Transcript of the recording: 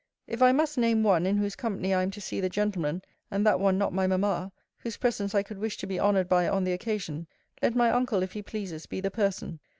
If I must name one, in whose company I am to see the gentleman, and that one not my mamma, whose presence I could wish to be honoured by on the occasion, let my uncle, if he pleases, be the person.